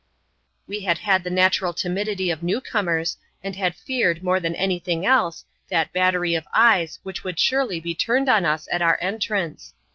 We had had the natural timidity of new comers, and had feared more than anything else that battery of eyes which would surely be turned on us at our entrance.